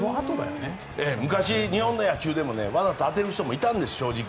昔、日本の野球でもわざと当てる人がいたんです。